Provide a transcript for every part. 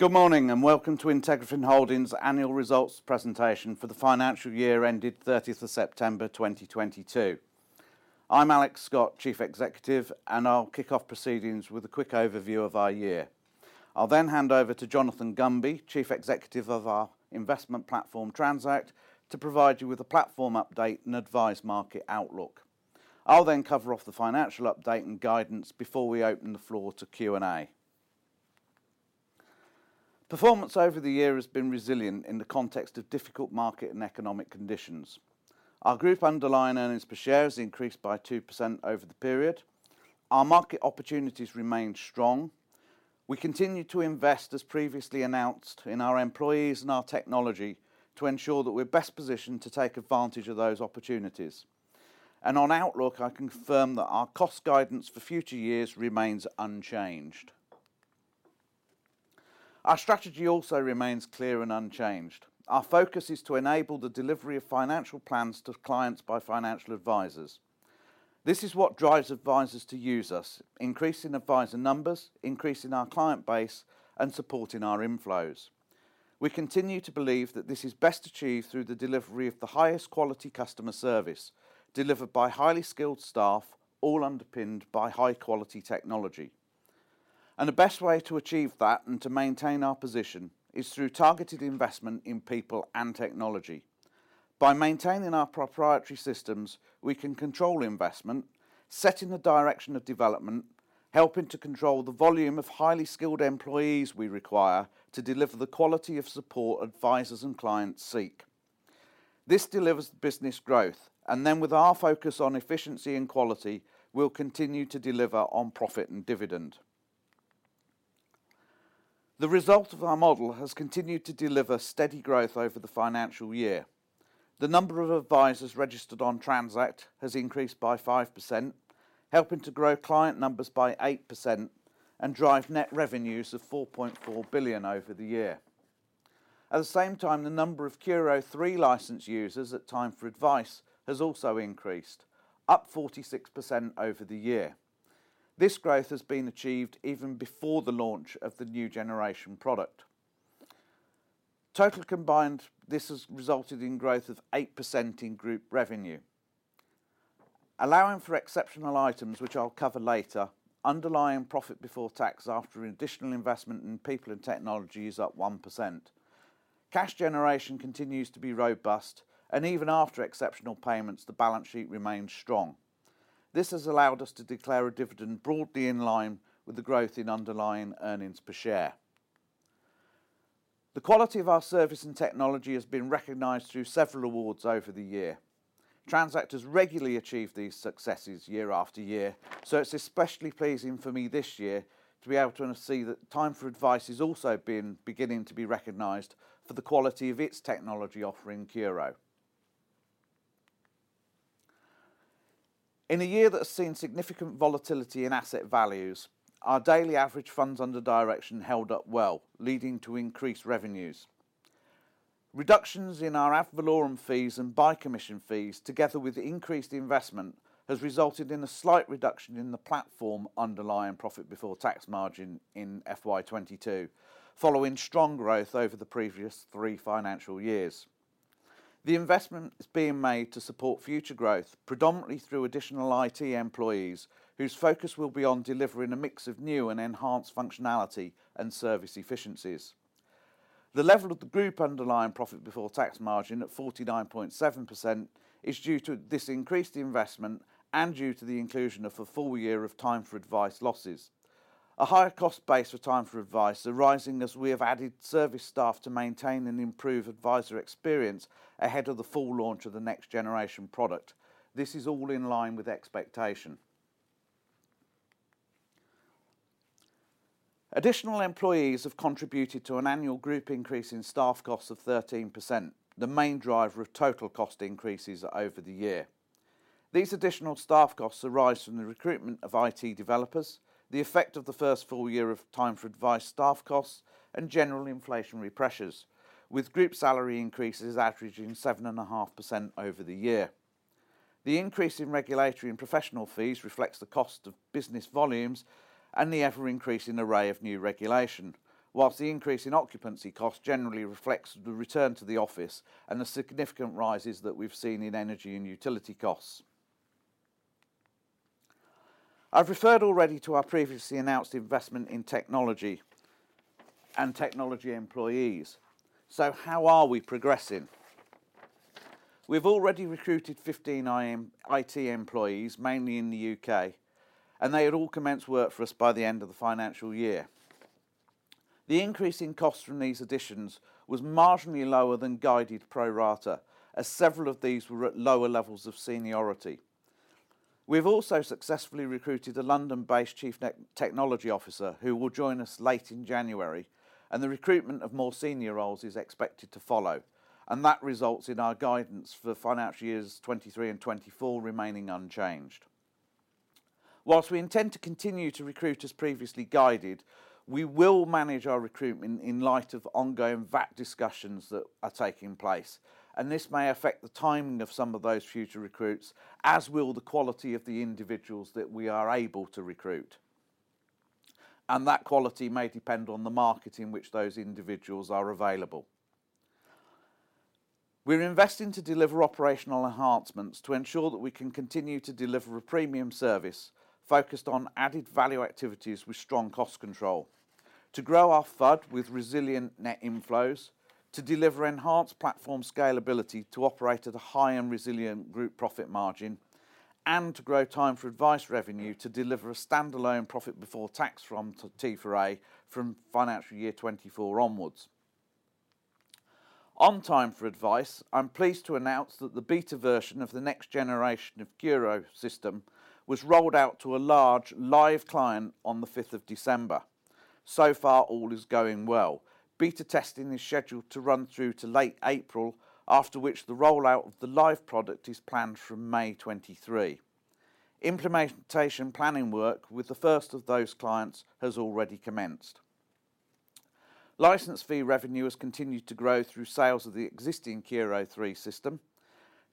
Good morning. Welcome to IntegraFin Holdings annual results presentation for the financial year ended 30th of September 2022. I'm Alex Scott, Chief Executive. I'll kick off proceedings with a quick overview of our year. I'll then hand over to Jonathan Gunby, Chief Executive of our investment platform Transact, to provide you with a platform update and advice market outlook. I'll then cover off the financial update and guidance before we open the floor to Q&A. Performance over the year has been resilient in the context of difficult market and economic conditions. Our group underlying earnings per share has increased by 2% over the period. Our market opportunities remain strong. We continue to invest, as previously announced, in our employees and our technology to ensure that we're best positioned to take advantage of those opportunities. On outlook, I confirm that our cost guidance for future years remains unchanged. Our strategy also remains clear and unchanged. Our focus is to enable the delivery of financial plans to clients by financial advisors. This is what drives advisors to use us, increasing advisor numbers, increasing our client base and supporting our inflows. We continue to believe that this is best achieved through the delivery of the highest quality customer service, delivered by highly skilled staff, all underpinned by high quality technology. The best way to achieve that and to maintain our position is through targeted investment in people and technology. By maintaining our proprietary systems, we can control investment, setting the direction of development, helping to control the volume of highly skilled employees we require to deliver the quality of support advisors and clients seek. This delivers business growth, and then with our focus on efficiency and quality, we'll continue to deliver on profit and dividend. The result of our model has continued to deliver steady growth over the financial year. The number of advisers registered on Transact has increased by 5%, helping to grow client numbers by 8% and drive net revenues of 4.4 billion over the year. At the same time, the number of CURO three license users at Time4Advice has also increased, up 46% over the year. This growth has been achieved even before the launch of the new generation product. Total combined, this has resulted in growth of 8% in group revenue. Allowing for exceptional items, which I'll cover later, underlying profit before tax after an additional investment in people and technology is up 1%. Cash generation continues to be robust, and even after exceptional payments, the balance sheet remains strong. This has allowed us to declare a dividend broadly in line with the growth in underlying earnings per share. The quality of our service and technology has been recognized through several awards over the year. Transact has regularly achieved these successes year after year, so it's especially pleasing for me this year to be able to see that Time4Advice has also been beginning to be recognized for the quality of its technology offering, CURO. In a year that has seen significant volatility in asset values, our daily average funds under direction held up well, leading to increased revenues. Reductions in our ad valorem fees and buy commission fees, together with increased investment, has resulted in a slight reduction in the platform underlying profit before tax margin in FY 2022, following strong growth over the previous three financial years. The investment is being made to support future growth, predominantly through additional IT employees whose focus will be on delivering a mix of new and enhanced functionality and service efficiencies. The level of the group underlying profit before tax margin at 49.7% is due to this increased investment and due to the inclusion of a full year of Time4Advice losses. A higher cost base for Time4Advice arising as we have added service staff to maintain and improve advisor experience ahead of the full launch of the next generation product. This is all in line with expectation. Additional employees have contributed to an annual group increase in staff costs of 13%, the main driver of total cost increases over the year. These additional staff costs arise from the recruitment of IT developers, the effect of the first full year of Time4Advice staff costs, and general inflationary pressures, with group salary increases averaging 7.5% over the year. The increase in regulatory and professional fees reflects the cost of business volumes and the ever-increasing array of new regulation, whilst the increase in occupancy costs generally reflects the return to the office and the significant rises that we've seen in energy and utility costs. I've referred already to our previously announced investment in technology and technology employees. How are we progressing? We've already recruited 15 IT employees, mainly in the U.K., and they had all commenced work for us by the end of the financial year. The increase in costs from these additions was marginally lower than guided pro rata, as several of these were at lower levels of seniority. We've also successfully recruited a London-based Chief Technology Officer, who will join us late in January, and the recruitment of more senior roles is expected to follow. That results in our guidance for financial years 2023 and 2024 remaining unchanged. Whilst we intend to continue to recruit as previously guided, we will manage our recruitment in light of ongoing VAT discussions that are taking place. This may affect the timing of some of those future recruits, as will the quality of the individuals that we are able to recruit. That quality may depend on the market in which those individuals are available. We're investing to deliver operational enhancements to ensure that we can continue to deliver a premium service focused on added value activities with strong cost control. To grow our FUD with resilient net inflows, to deliver enhanced platform scalability to operate at a high and resilient group profit margin, and to grow Time4Advice revenue to deliver a standalone profit before tax from Time4A from financial year 2024 onwards. On Time4Advice, I'm pleased to announce that the beta version of the next generation of CURO system was rolled out to a large live client on the 5th of December. So far, all is going well. Beta testing is scheduled to run through to late April, after which the rollout of the live product is planned from May 2023. Implementation planning work with the first of those clients has already commenced. License fee revenue has continued to grow through sales of the existing CURO 3 system.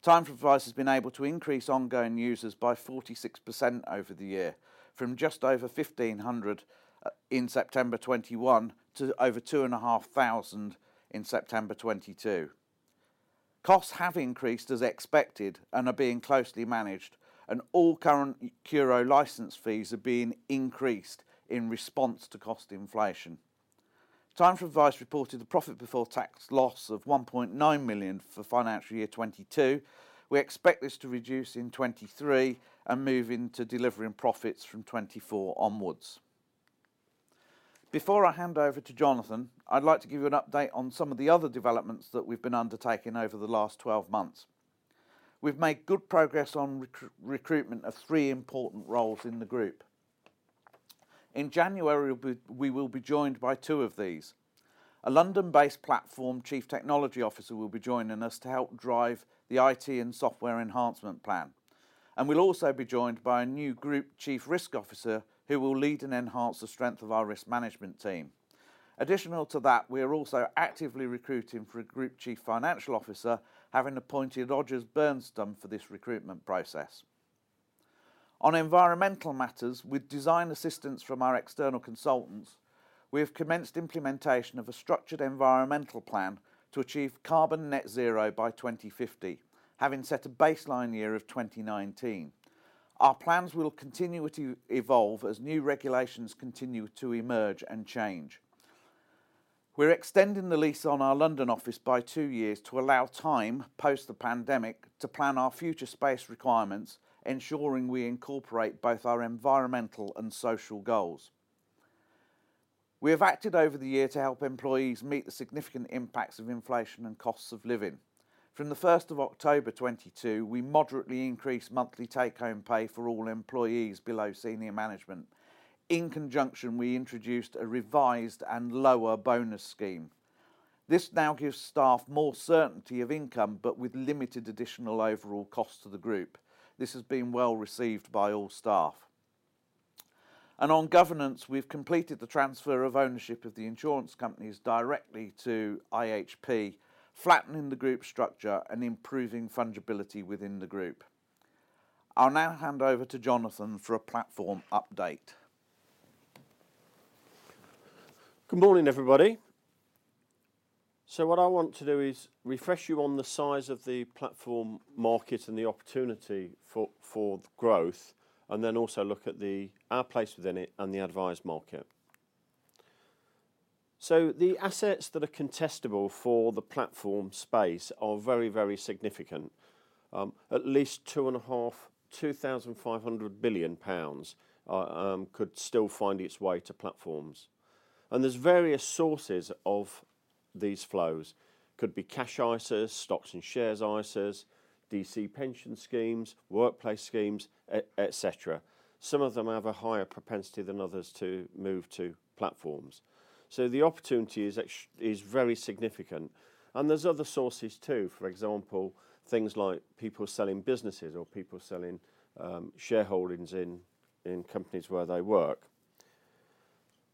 Time4Advice has been able to increase ongoing users by 46% over the year, from just over 1,500 in September 2021 to over 2,500 in September 2022. Costs have increased as expected and are being closely managed. All current CURO license fees are being increased in response to cost inflation. Time4Advice reported a profit before tax loss of 1.9 million for financial year 2022. We expect this to reduce in 2023 and move into delivering profits from 2024 onwards. Before I hand over to Jonathan, I'd like to give you an update on some of the other developments that we've been undertaking over the last 12 months. We've made good progress on recruitment of three important roles in the group. In January, we will be joined by two of these. A London-based platform Chief Technology Officer will be joining us to help drive the IT and software enhancement plan. We'll also be joined by a new Group Chief Risk Officer who will lead and enhance the strength of our risk management team. Additional to that, we are also actively recruiting for a Group Chief Financial Officer, having appointed Odgers Berndtson for this recruitment process. On environmental matters, with design assistance from our external consultants, we have commenced implementation of a structured environmental plan to achieve carbon net zero by 2050, having set a baseline year of 2019. Our plans will continue to evolve as new regulations continue to emerge and change. We're extending the lease on our London office by two years to allow time, post the pandemic, to plan our future space requirements, ensuring we incorporate both our environmental and social goals. We have acted over the year to help employees meet the significant impacts of inflation and costs of living. From October 1, 2022, we moderately increased monthly take-home pay for all employees below senior management. In conjunction, we introduced a revised and lower bonus scheme. This now gives staff more certainty of income, but with limited additional overall cost to the group. This has been well-received by all staff. On governance, we've completed the transfer of ownership of the insurance companies directly to IHP, flattening the group structure and improving fungibility within the group. I'll now hand over to Jonathan Gunby for a platform update. Good morning, everybody. What I want to do is refresh you on the size of the platform market and the opportunity for growth, and then also look at our place within it and the adviser market. The assets that are contestable for the platform space are very significant. At least 2,500 billion pounds could still find its way to platforms. There's various sources of these flows. Could be cash ISAs, stocks and shares ISAs, DC pension schemes, workplace schemes, et cetera. Some of them have a higher propensity than others to move to platforms. The opportunity is very significant. There's other sources too. For example, things like people selling businesses or people selling shareholdings in companies where they work.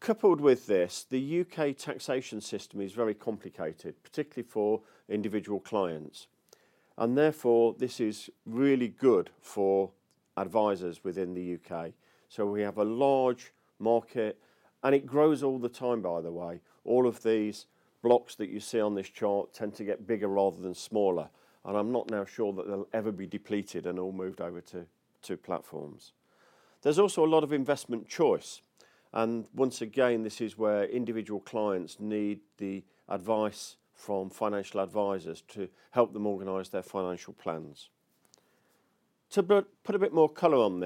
Coupled with this, the U.K. taxation system is very complicated, particularly for individual clients. Therefore, this is really good for advisors within the U.K. We have a large market, and it grows all the time, by the way. All of these blocks that you see on this chart tend to get bigger rather than smaller. I'm not now sure that they'll ever be depleted and all moved over to platforms. There's also a lot of investment choice. Once again, this is where individual clients need the advice from financial advisors to help them organize their financial plans. To put a bit more color on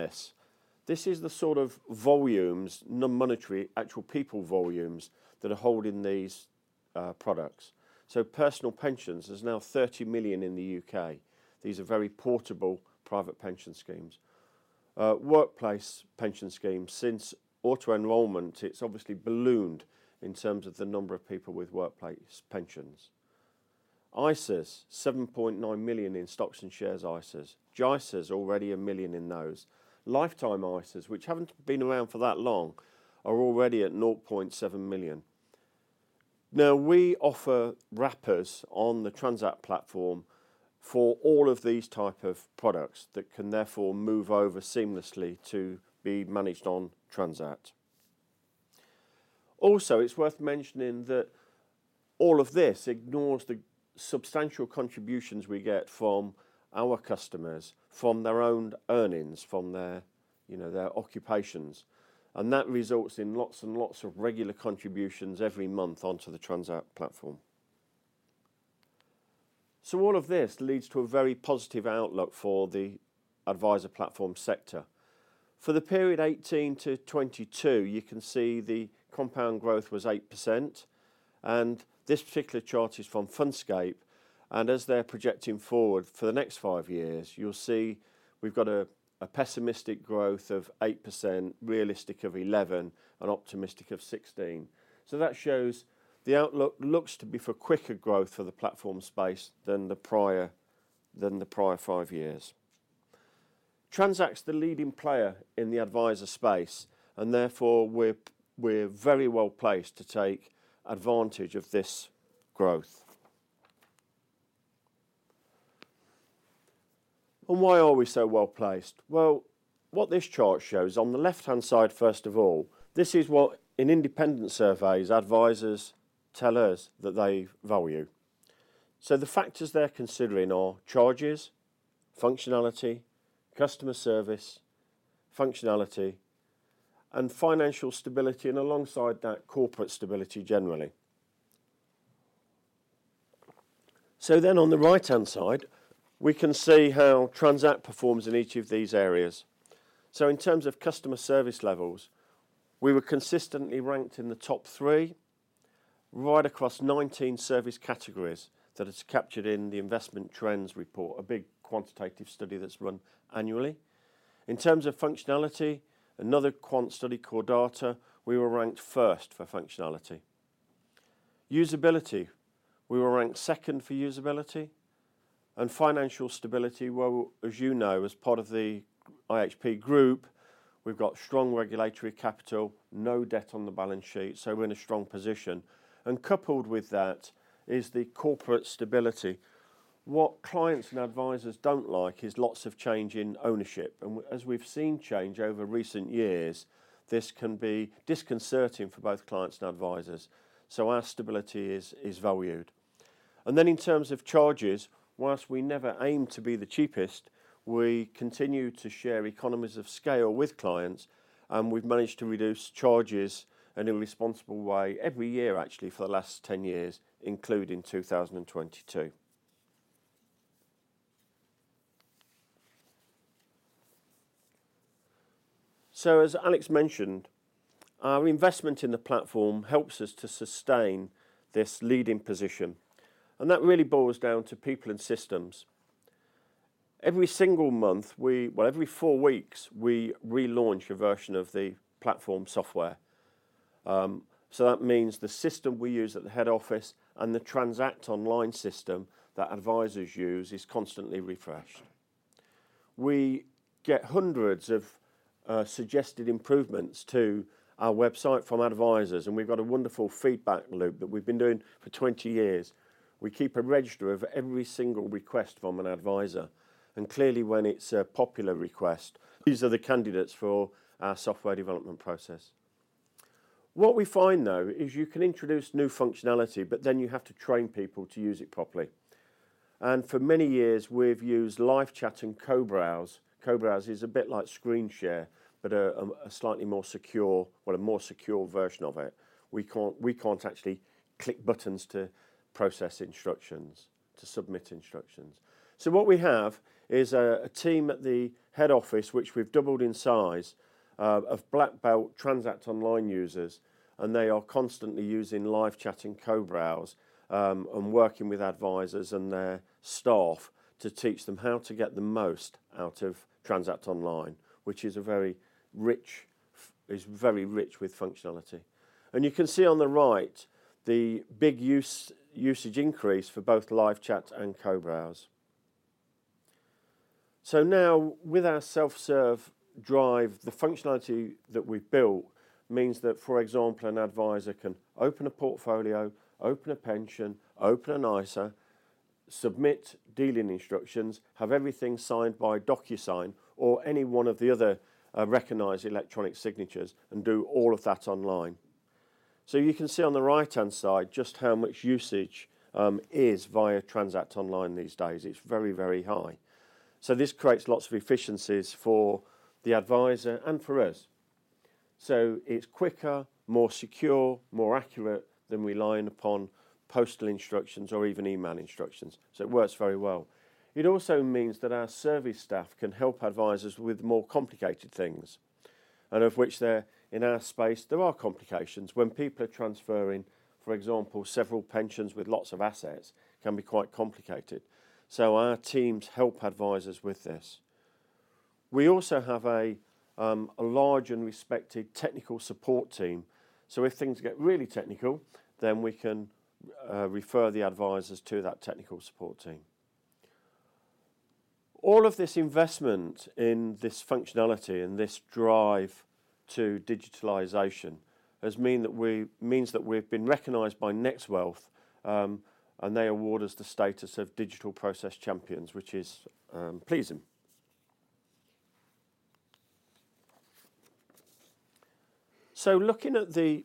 this is the sort of volumes, not monetary, actual people volumes, that are holding these products. personal pensions, there's now 30 million in the U.K. These are very portable private pension schemes. Workplace pension schemes, since auto-enrolment, it's obviously ballooned in terms of the number of people with workplace pensions. ISAs, 7.9 million in stocks and shares ISAs. JISAs, already 1 million in those. Lifetime ISAs, which haven't been around for that long, are already at 0.7 million. Now, we offer wrappers on the Transact platform for all of these type of products that can therefore move over seamlessly to be managed on Transact. Also, it's worth mentioning that all of this ignores the substantial contributions we get from our customers, from their own earnings, from their, you know, their occupations, and that results in lots and lots of regular contributions every month onto the Transact platform. All of this leads to a very positive outlook for the advisor platform sector. For the period 18-22, you can see the compound growth was 8%. This particular chart is from Fundscape, as they're projecting forward for the next five years, you'll see we've got a pessimistic growth of 8%, realistic of 11, and optimistic of 16. That shows the outlook looks to be for quicker growth for the platform space than the prior five years. Transact's the leading player in the advisor space, therefore we're very well-placed to take advantage of this growth. Why are we so well-placed? Well, what this chart shows, on the left-hand side first of all, this is what in independent surveys advisors tell us that they value. The factors they're considering are charges, functionality, customer service, functionality, and financial stability, and alongside that, corporate stability generally. On the right-hand side, we can see how Transact performs in each of these areas. In terms of customer service levels, we were consistently ranked in the top 3 right across 19 service categories that's captured in the Investment Trends report, a big quantitative study that's run annually. In terms of functionality, another quant study called Data, we were ranked first for functionality. Usability, we were ranked second for usability. Financial stability, well, as you know, as part of the IHP group, we've got strong regulatory capital, no debt on the balance sheet, so we're in a strong position. Coupled with that is the corporate stability. What clients and advisors don't like is lots of change in ownership, and as we've seen change over recent years, this can be disconcerting for both clients and advisors. Our stability is valued. In terms of charges, whilst we never aim to be the cheapest, we continue to share economies of scale with clients, we've managed to reduce charges in a responsible way every year actually for the last 10 years, including 2022. As Alex mentioned, our investment in the platform helps us to sustain this leading position, and that really boils down to people and systems. Every 4 weeks we relaunch a version of the platform software. That means the system we use at the head office and the Transact Online system that advisors use is constantly refreshed. We get hundreds of suggested improvements to our website from advisors, and we've got a wonderful feedback loop that we've been doing for 20 years. We keep a register of every single request from an advisor, and clearly when it's a popular request, these are the candidates for our software development process. What we find, though, is you can introduce new functionality, but then you have to train people to use it properly. For many years we've used live chat and co-browse. Co-browse is a bit like screen share, but a slightly more secure... Well, a more secure version of it. We can't actually click buttons to process instructions, to submit instructions. What we have is a team at the head office which we've doubled in size, of black belt Transact Online users, and they are constantly using live chat and Co-browse, and working with advisors and their staff to teach them how to get the most out of Transact Online, which is very rich with functionality. You can see on the right the big usage increase for both live chat and Co-browse. Now with our self-serve drive, the functionality that we've built means that, for example, an advisor can open a portfolio, open a pension, open an ISA, submit dealing instructions, have everything signed by DocuSign or any 1 of the other, recognized electronic signatures, and do all of that online. You can see on the right-hand side just how much usage is via Transact Online these days. It's very, very high. This creates lots of efficiencies for the advisor and for us. It's quicker, more secure, more accurate than relying upon postal instructions or even email instructions. It works very well. It also means that our service staff can help advisors with more complicated things, and of which there, in our space, there are complications. When people are transferring, for example, several pensions with lots of assets, it can be quite complicated. Our teams help advisors with this. We also have a large and respected technical support team. If things get really technical, then we can refer the advisors to that technical support team. All of this investment in this functionality and this drive to digitalization means that we've been recognized by NextWealth, and they award us the status of Digital Process Champions, which is pleasing. Looking at the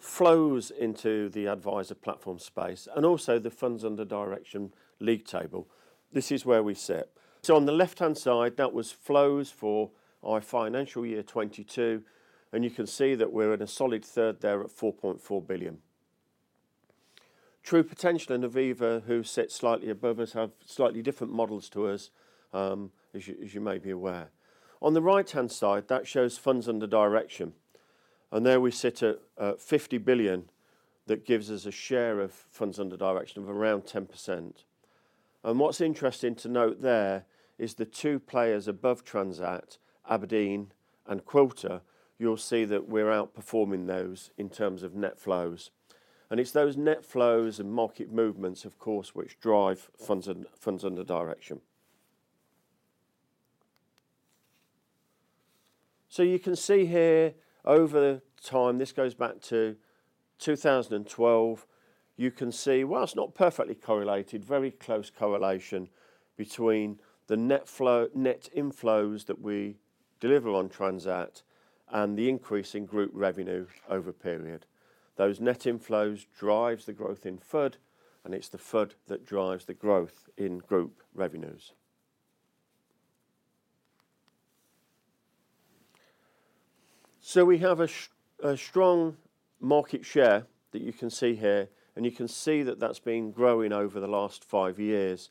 flows into the advisor platform space and also the funds under direction league table, this is where we sit. On the left-hand side, that was flows for our financial year 22, and you can see that we're in a solid third there at 4.4 billion. True Potential and Aviva, who sit slightly above us, have slightly different models to us, as you may be aware. On the right-hand side, that shows funds under direction, and there we sit at 50 billion. That gives us a share of funds under direction of around 10%. What's interesting to note there is the two players above Transact, Aberdeen and Quilter, you'll see that we're outperforming those in terms of net flows. It's those net flows and market movements, of course, which drive funds under direction. You can see here over time, this goes back to 2012, you can see, whilst not perfectly correlated, very close correlation between the net inflows that we deliver on Transact and the increase in group revenue over a period. Those net inflows drives the growth in FUD, and it's the FUD that drives the growth in group revenues. We have a strong market share that you can see here, and you can see that that's been growing over the last five years.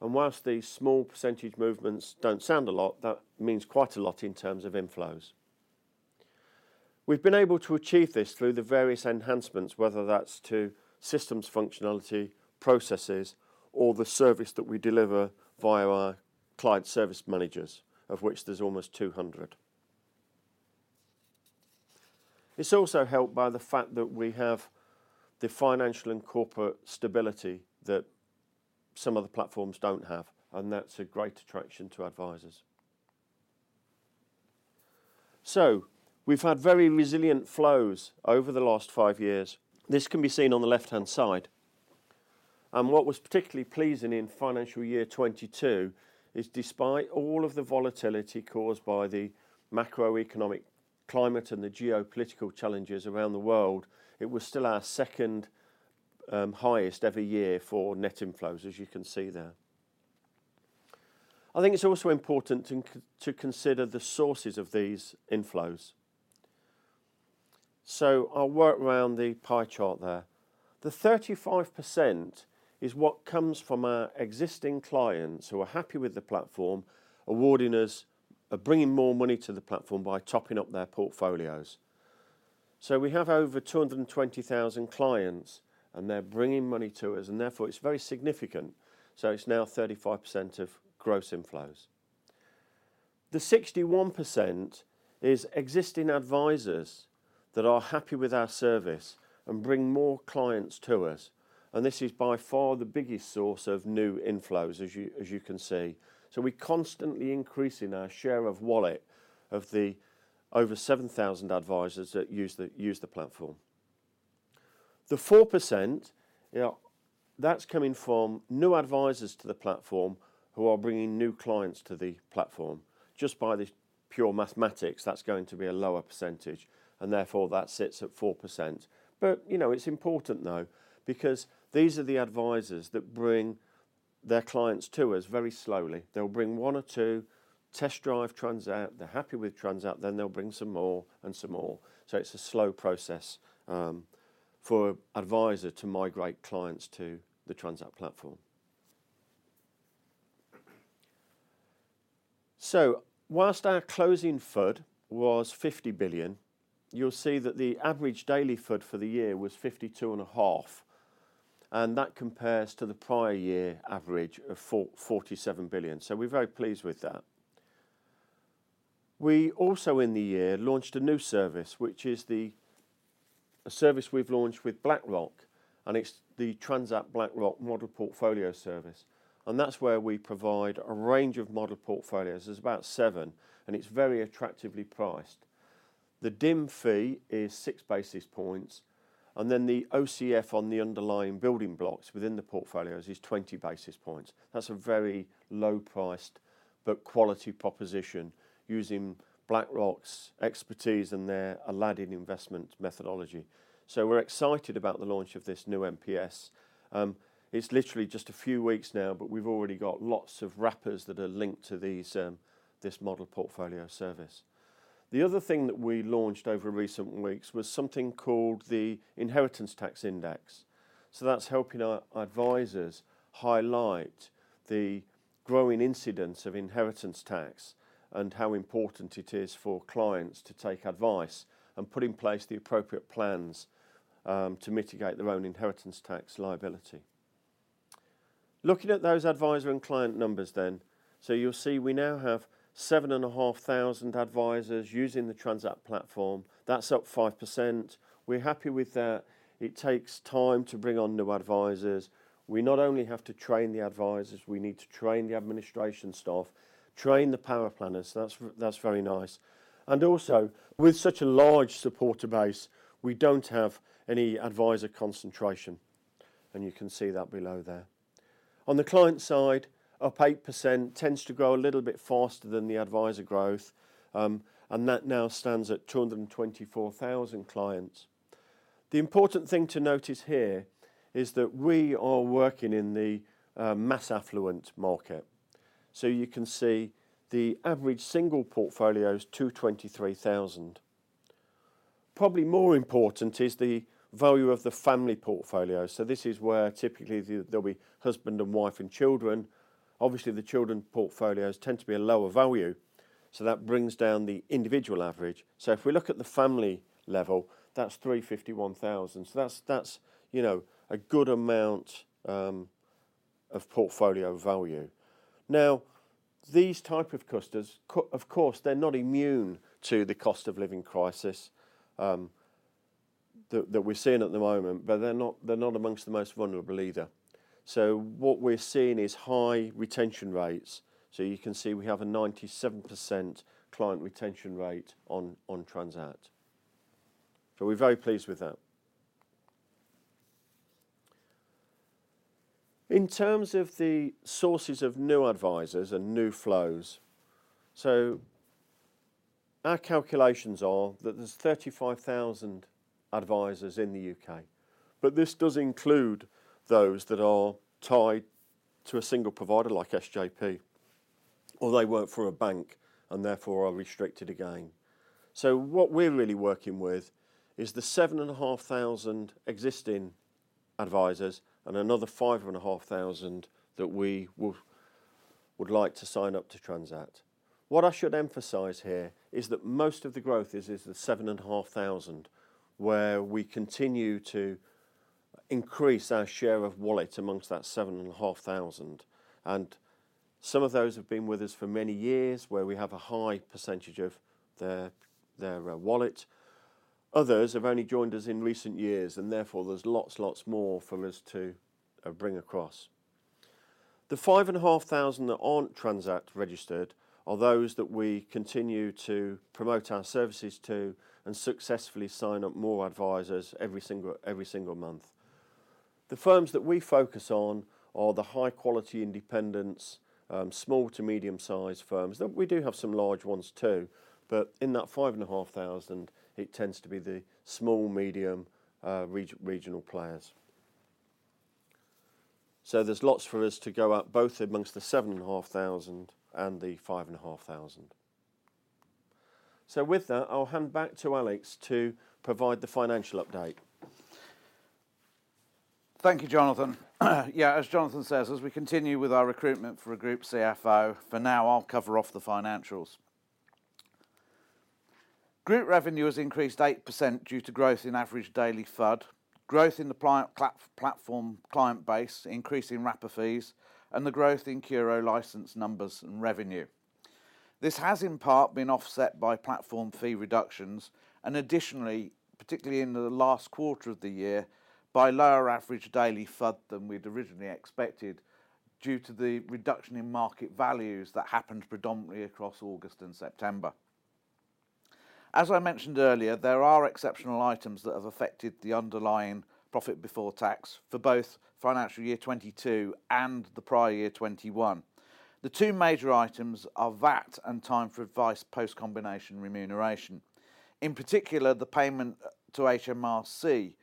Whilst these small % movements don't sound a lot, that means quite a lot in terms of inflows. We've been able to achieve this through the various enhancements, whether that's to systems functionality, processes, or the service that we deliver via our client service managers, of which there's almost 200. It's also helped by the fact that we have the financial and corporate stability that some other platforms don't have, and that's a great attraction to advisors. We've had very resilient flows over the last five years. This can be seen on the left-hand side. What was particularly pleasing in financial year 2022 is despite all of the volatility caused by the macroeconomic climate and the geopolitical challenges around the world, it was still our second highest ever year for net inflows, as you can see there. I think it's also important to consider the sources of these inflows. I'll work around the pie chart there. The 35% is what comes from our existing clients who are happy with the platform, awarding us, are bringing more money to the platform by topping up their portfolios. We have over 220,000 clients, and they're bringing money to us, and therefore it's very significant. It's now 35% of gross inflows. The 61% is existing advisors that are happy with our service and bring more clients to us. This is by far the biggest source of new inflows, as you can see. We're constantly increasing our share of wallet of the over 7,000 advisors that use the platform. The 4%, you know, that's coming from new advisors to the platform who are bringing new clients to the platform. Just by the pure mathematics, that's going to be a lower percentage, and therefore that sits at 4%. You know, it's important though because these are the advisors that bring their clients to us very slowly. They'll bring one or two, test drive Transact, they're happy with Transact, then they'll bring some more and some more. It's a slow process for advisor to migrate clients to the Transact platform. Whilst our closing FUD was 50 billion, you'll see that the average daily FUD for the year was fifty-two and a half billion, and that compares to the prior year average of 47 billion. We're very pleased with that. We also in the year launched a new service, which is the... A service we've launched with BlackRock, it's the Transact–BlackRock Model Portfolio Service. That's where we provide a range of model portfolios. There's about seven, and it's very attractively priced. The DIM fee is 6 basis points, and then the OCF on the underlying building blocks within the portfolios is 20 basis points. That's a very low-priced but quality proposition using BlackRock's expertise and their Aladdin investment methodology. We're excited about the launch of this new MPS. It's literally just a few weeks now, but we've already got lots of wrappers that are linked to these, this model portfolio service. The other thing that we launched over recent weeks was something called the inheritance tax index. That's helping our advisors highlight the growing incidence of inheritance tax and how important it is for clients to take advice and put in place the appropriate plans to mitigate their own inheritance tax liability. Looking at those advisor and client numbers then. You'll see we now have 7,500 advisors using the Transact platform. That's up 5%. We're happy with that. It takes time to bring on new advisors. We not only have to train the advisors, we need to train the administration staff, train the power planners. That's very nice. With such a large supporter base, we don't have any advisor concentration, and you can see that below there. On the client side, up 8% tends to grow a little bit faster than the advisor growth, and that now stands at 224,000 clients. The important thing to notice here is that we are working in the mass affluent market, so you can see the average single portfolio is 223,000. Probably more important is the value of the family portfolio. This is where typically there'll be husband and wife and children. Obviously, the children portfolios tend to be a lower value, so that brings down the individual average. If we look at the family level, that's 351,000. That's, you know, a good amount of portfolio value. These type of customers, of course, they're not immune to the cost of living crisis that we're seeing at the moment, but they're not amongst the most vulnerable either. What we're seeing is high retention rates. You can see we have a 97% client retention rate on Transact. We're very pleased with that. In terms of the sources of new advisors and new flows, our calculations are that there's 35,000 advisors in the UK, but this does include those that are tied to a single provider like SJP, or they work for a bank and therefore are restricted again. What we're really working with is the 7,500 existing advisors and another 5,500 that we would like to sign up to Transact. What I should emphasize here is that most of the growth is in the 7,500, where we continue to increase our share of wallet amongst that 7,500. Some of those have been with us for many years, where we have a high percentage of their wallet. Others have only joined us in recent years, therefore there's lots more for us to bring across. The 5,500 that aren't Transact registered are those that we continue to promote our services to and successfully sign up more advisers every single month. The firms that we focus on are the high-quality independents, small to medium-sized firms. We do have some large ones too, but in that 5,500 it tends to be the small, medium, regional players. There's lots for us to go at, both amongst the 7,500 and the 5,500. With that, I'll hand back to Alex to provide the financial update. Thank you, Jonathan. Yeah, as Jonathan says, as we continue with our recruitment for a group CFO, for now, I'll cover off the financials. Group revenue has increased 8% due to growth in average daily FUD, growth in the platform client base, increase in wrapper fees, and the growth in CURO license numbers and revenue. This has in part been offset by platform fee reductions and additionally, particularly in the last quarter of the year, by lower average daily FUD than we'd originally expected due to the reduction in market values that happened predominantly across August and September. As I mentioned earlier, there are exceptional items that have affected the underlying profit before tax for both financial year 22 and the prior year 21. The two major items are VAT and Time4Advice post-combination remuneration. In particular, the payment to HMRC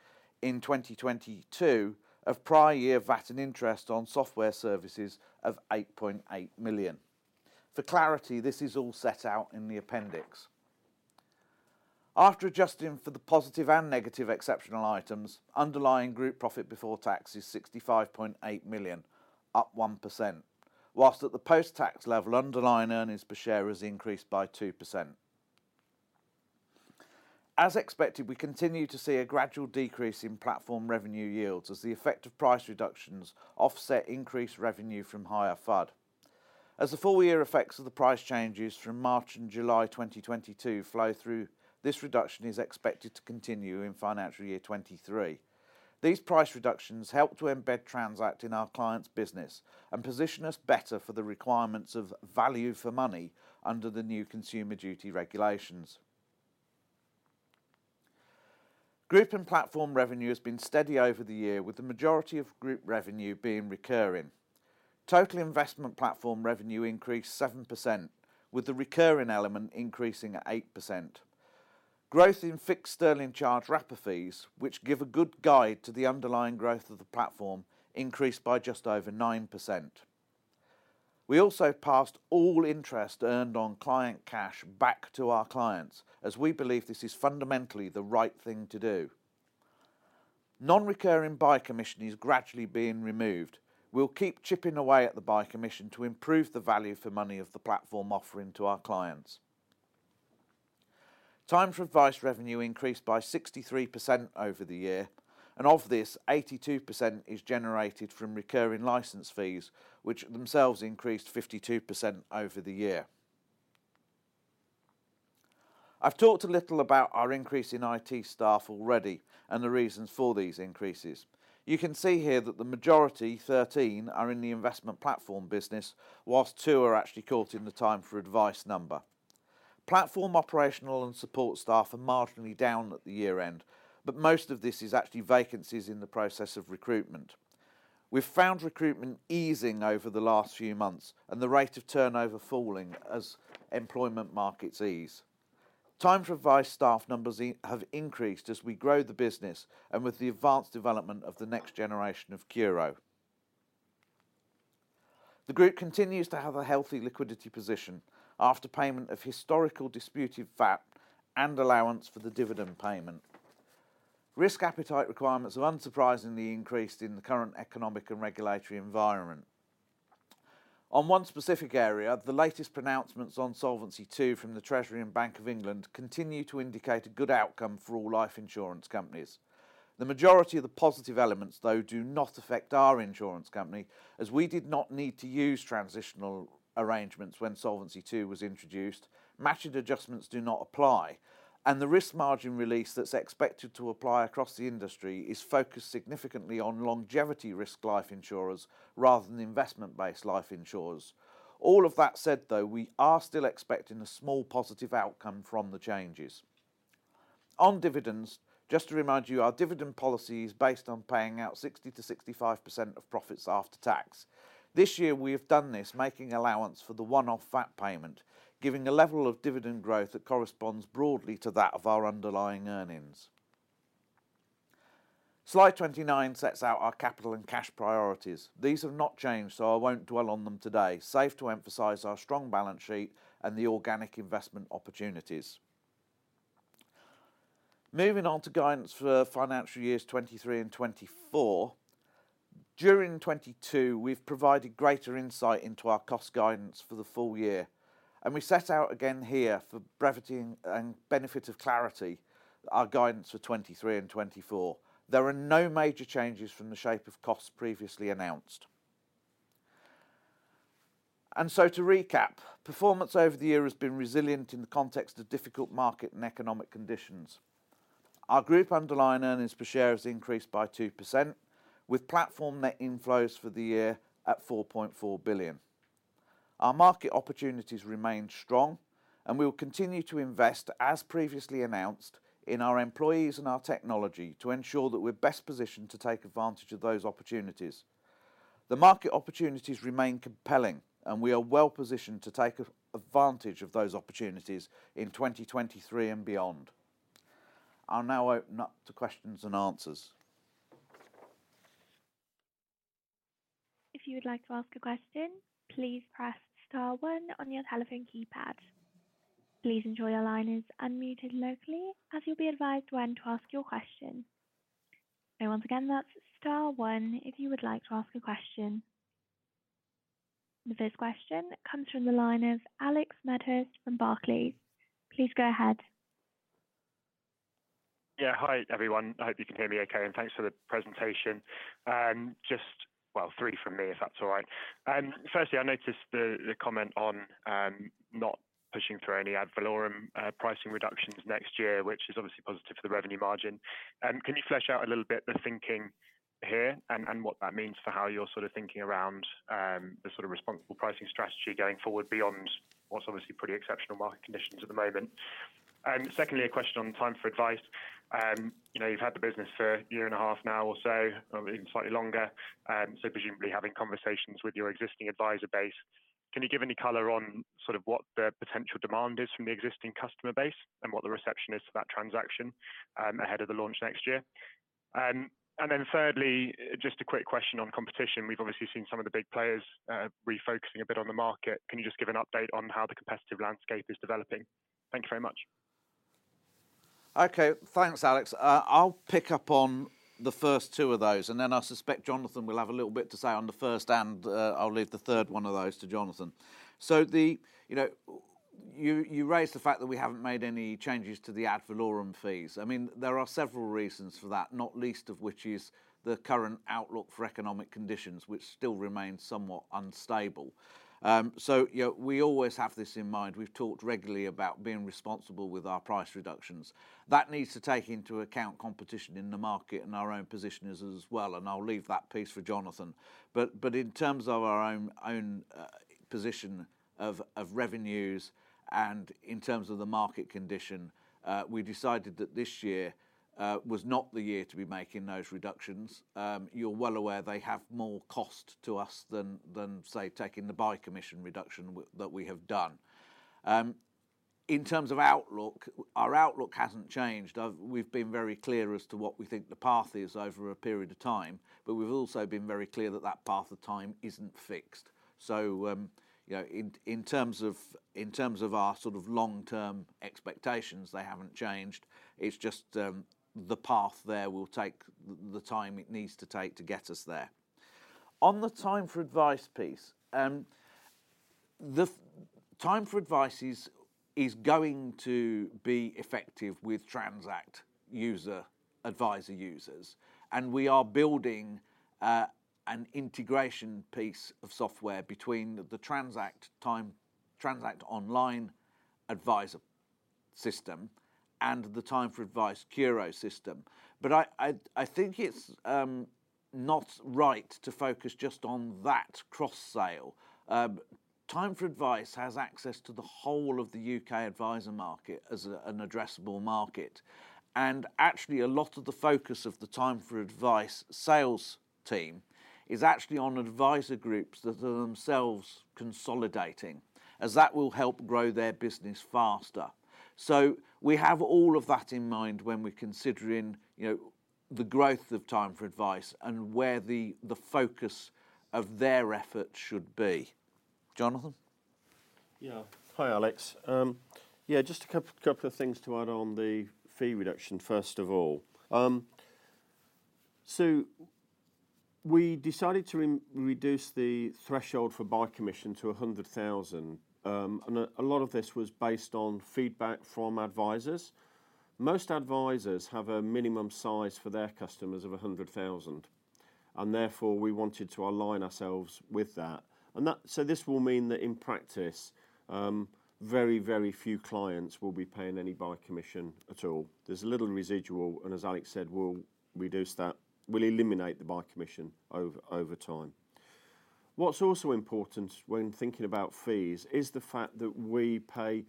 in 2022 of prior year VAT and interest on software services of 8.8 million. For clarity, this is all set out in the appendix. After adjusting for the positive and negative exceptional items, underlying group profit before tax is 65.8 million, up 1%. Whilst at the post-tax level, underlying earnings per share has increased by 2%. As expected, we continue to see a gradual decrease in platform revenue yields as the effect of price reductions offset increased revenue from higher FUD. As the full-year effects of the price changes from March and July 2022 flow through, this reduction is expected to continue in financial year 2023. These price reductions help to embed Transact in our clients' business and position us better for the requirements of value for money under the new Consumer Duty regulations. Group and platform revenue has been steady over the year, with the majority of group revenue being recurring. Total investment platform revenue increased 7%, with the recurring element increasing at 8%. Growth in fixed sterling charge wrapper fees, which give a good guide to the underlying growth of the platform, increased by just over 9%. We also passed all interest earned on client cash back to our clients, as we believe this is fundamentally the right thing to do. Non-recurring buy commission is gradually being removed. We'll keep chipping away at the buy commission to improve the value for money of the platform offering to our clients. Time4Advice revenue increased by 63% over the year, and of this, 82% is generated from recurring license fees, which themselves increased 52% over the year. I've talked a little about our increase in IT staff already and the reasons for these increases. You can see here that the majority, 13, are in the investment platform business, whilst two are actually caught in the Time4Advice number. Platform operational and support staff are marginally down at the year-end, but most of this is actually vacancies in the process of recruitment. We've found recruitment easing over the last few months and the rate of turnover falling as employment markets ease. Time4Advice staff numbers have increased as we grow the business and with the advanced development of the next generation of CURO. The group continues to have a healthy liquidity position after payment of historical disputed VAT and allowance for the dividend payment. Risk appetite requirements have unsurprisingly increased in the current economic and regulatory environment. On one specific area, the latest pronouncements on Solvency II from the Treasury and Bank of England continue to indicate a good outcome for all life insurance companies. The majority of the positive elements, though, do not affect our insurance company, as we did not need to use transitional arrangements when Solvency II was introduced. Matched adjustments do not apply, and the risk margin release that's expected to apply across the industry is focused significantly on longevity risk life insurers rather than investment-based life insurers. All of that said, though, we are still expecting a small positive outcome from the changes. On dividends, just to remind you, our dividend policy is based on paying out 60%-65% of profits after tax. This year we have done this making allowance for the one-off VAT payment, giving a level of dividend growth that corresponds broadly to that of our underlying earnings. Slide 29 sets out our capital and cash priorities. These have not changed, I won't dwell on them today, save to emphasize our strong balance sheet and the organic investment opportunities. Moving on to guidance for financial years 2023 and 2024. During 2022, we've provided greater insight into our cost guidance for the full year, We set out again here for brevity and benefit of clarity our guidance for 2023 and 2024. There are no major changes from the shape of costs previously announced. To recap, performance over the year has been resilient in the context of difficult market and economic conditions. Our group underlying earnings per share has increased by 2%, with platform net inflows for the year at 4.4 billion. Our market opportunities remain strong, and we will continue to invest, as previously announced, in our employees and our technology to ensure that we're best positioned to take advantage of those opportunities. The market opportunities remain compelling, and we are well positioned to take advantage of those opportunities in 2023 and beyond. I'll now open up to questions and answers. If you would like to ask a question, please press star one on your telephone keypad. Please ensure your line is unmuted locally as you'll be advised when to ask your question. Once again, that's star one if you would like to ask a question. The first question comes from the line of Alex Medhurst from Barclays. Please go ahead. Yeah. Hi, everyone. I hope you can hear me okay, and thanks for the presentation. Well, three from me, if that's all right. Firstly, I noticed the comment on not pushing through any ad valorem pricing reductions next year, which is obviously positive for the revenue margin. Can you flesh out a little bit the thinking here and what that means for how you're sort of thinking around the sort of responsible pricing strategy going forward beyond what's obviously pretty exceptional market conditions at the moment? Secondly, a question on Time4Advice. you know, you've had the business for a year and a half now or so, or even slightly longer, so presumably having conversations with your existing advisor base. Can you give any color on sort of what the potential demand is from the existing customer base and what the reception is to that transaction, ahead of the launch next year? Thirdly, just a quick question on competition. We've obviously seen some of the big players, refocusing a bit on the market. Can you just give an update on how the competitive landscape is developing? Thank you very much. Okay. Thanks, Alex. I'll pick up on the first two of those, and then I suspect Jonathan will have a little bit to say on the first, and I'll leave the third one of those to Jonathan. The... You know, you raised the fact that we haven't made any changes to the ad valorem fees. I mean, there are several reasons for that, not least of which is the current outlook for economic conditions, which still remain somewhat unstable. You know, we always have this in mind. We've talked regularly about being responsible with our price reductions. That needs to take into account competition in the market and our own positions as well, and I'll leave that piece for Jonathan. In terms of our own position of revenues and in terms of the market condition, we decided that this year was not the year to be making those reductions. You're well aware they have more cost to us than, say, taking the buy commission reduction that we have done. In terms of outlook, our outlook hasn't changed. We've been very clear as to what we think the path is over a period of time, but we've also been very clear that path of time isn't fixed. You know, in terms of our sort of long-term expectations, they haven't changed. It's just, the path there will take the time it needs to take to get us there. On the Time4Advice piece, the Time4Advice is going to be effective with Transact user, adviser users, and we are building an integration piece of software between the Transact Online adviser piece system and the Time4Advice CURO system. I think it's not right to focus just on that cross-sale. Time4Advice has access to the whole of the U.K. adviser market as an addressable market, and actually, a lot of the focus of the Time4Advice sales team is actually on adviser groups that are themselves consolidating, as that will help grow their business faster. We have all of that in mind when we're considering, you know, the growth of Time4Advice and where the focus of their effort should be. Jonathan? Yeah. Hi, Alex. Yeah, just a couple of things to add on the fee reduction, first of all. We decided to re-reduce the threshold for buy commission to 100,000. A lot of this was based on feedback from advisors. Most advisors have a minimum size for their customers of 100,000, and therefore we wanted to align ourselves with that. This will mean that in practice, very few clients will be paying any buy commission at all. There's a little residual, and as Alex said, we'll reduce that. We'll eliminate the buy commission over time. What's also important when thinking about fees is the fact that we pay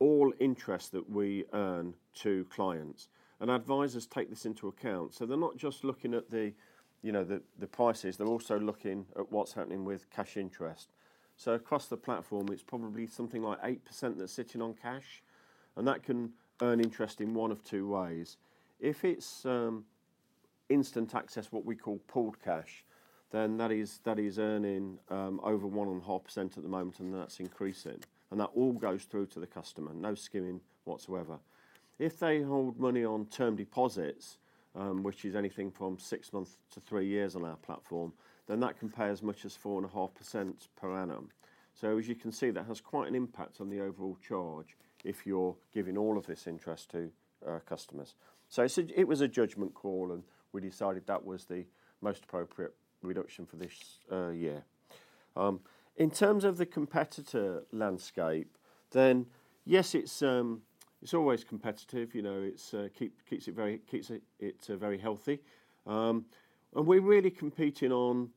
all interest that we earn to clients. Advisors take this into account. They're not just looking at the, you know, the prices, they're also looking at what's happening with cash interest. Across the platform, it's probably something like 8% that's sitting on cash, and that can earn interest in one of 2 ways. If it's instant access, what we call pooled cash, then that is earning over 1.5% at the moment, and that's increasing. That all goes through to the customer. No skimming whatsoever. If they hold money on term deposits, which is anything from 6 months to 3 years on our platform, then that can pay as much as 4.5% per annum. As you can see, that has quite an impact on the overall charge if you're giving all of this interest to our customers. It's a... It was a judgment call, and we decided that was the most appropriate reduction for this year. In terms of the competitor landscape, then yes, it's always competitive. You know, it keeps it very, keeps it very healthy. We're really competing on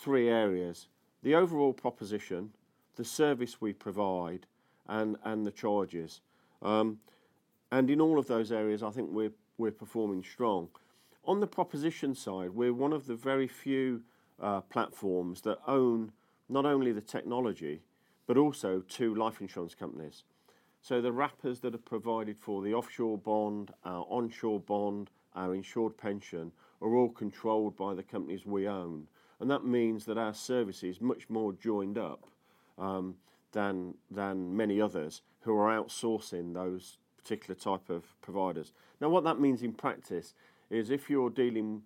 3 areas: the overall proposition, the service we provide, and the charges. In all of those areas, I think we're performing strong. On the proposition side, we're one of the very few platforms that own not only the technology but also 2 life insurance companies. The wrappers that are provided for the offshore bond, our onshore bond, our insured pension, are all controlled by the companies we own, and that means that our service is much more joined up than many others who are outsourcing those particular type of providers. What that means in practice is if you're dealing